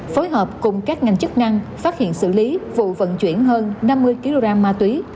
phối hợp cùng các ngành chức năng phát hiện xử lý vụ vận chuyển hơn năm mươi kg ma túy